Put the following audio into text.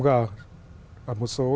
năm g ở một số